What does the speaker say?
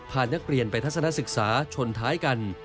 พานักเรียนไปทัศนศึกษาชนท้ายกัน